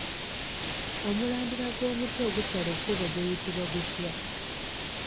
Omulandira gw’omuti ogusala ekkubo guyitibwa gutya?